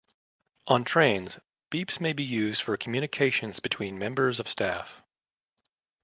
On trains, beeps may be used for communications between members of staff.